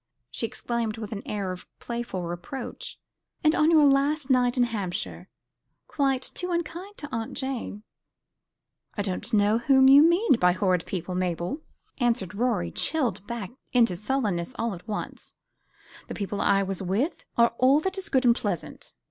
she exclaimed with an air of playful reproach, "and on your last night in Hampshire quite too unkind to Aunt Jane." "I don't know whom you mean by horrid people, Mabel," answered Rorie, chilled back into sulkiness all at once; "the people I was with are all that is good and pleasant."